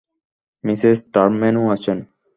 Mrs টারম্যানও আছেন।